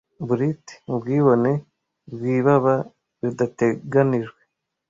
Blithe mubwibone bwibaba ridateganijwe,